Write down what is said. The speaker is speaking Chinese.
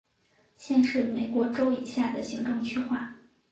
县是美国州以下的行政区划。